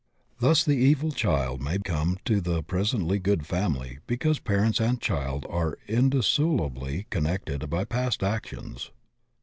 Thus the evil child may come to the presently good family because parents and child are indissolubly connected by past actions.